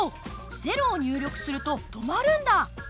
０を入力すると止まるんだ。